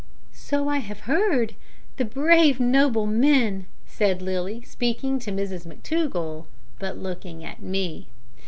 "So I have heard. The brave, noble men," said Lilly, speaking to Mrs McTougall, but looking at me.